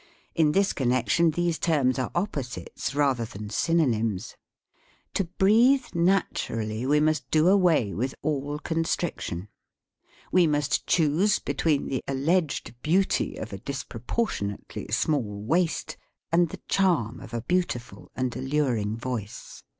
In this connection these terms are op posites rather than synonymes.) To breathe naturally we must do away with all con striction. We must choose between the al leged beauty of a disproportionately small waist and the charm of a beautiful and al luring voice.